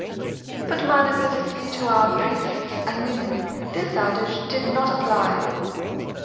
But manifestly to our Priests and Women this adage did not apply.